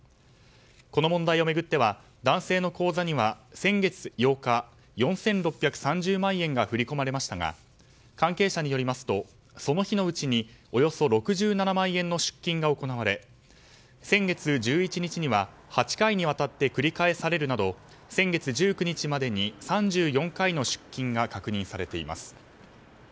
この問題を巡っては男性の口座には先月８日４６３０万円が振り込まれましたが関係者によりますとその日のうちにおよそ６７万円の出金が行われ先月１１日には８回にわたって繰り返されるなど先月１９日までに３４回の出金が確認されています。